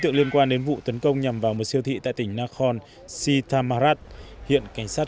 tượng liên quan đến vụ tấn công nhằm vào một siêu thị tại tỉnh nakhon sittamarat hiện cảnh sát